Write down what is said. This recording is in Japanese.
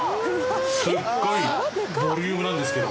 すごいボリュームなんですけど。